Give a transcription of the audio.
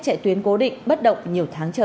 chạy tuyến cố định bất động nhiều tháng trở